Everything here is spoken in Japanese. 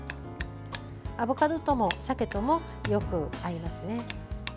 アボカドとも鮭ともよく合いますね。